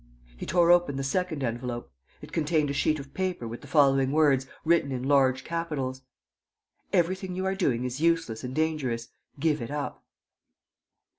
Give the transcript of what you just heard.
He tore open the second envelope. It contained a sheet of paper with the following words, written in large capitals: "Everything you are doing is useless and dangerous.... Give it up."